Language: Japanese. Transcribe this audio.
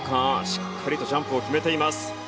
しっかりとジャンプを決めています。